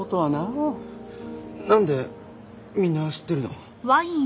なんでみんな知ってるの？